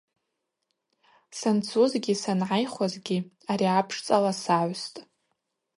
Санцузгьи сангӏайхуазгьи ари апшцӏала сагӏвстӏ.